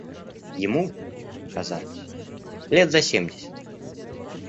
Ему казалось лет за семьдесят.